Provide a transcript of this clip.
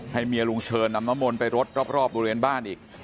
เมียลุงเชิญนำน้ำมนต์ไปรดรอบบริเวณบ้านอีก